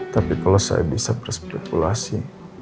tapi kalau saya bisa berspekulasi